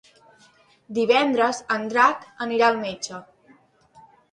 Divendres en Drac anirà al metge.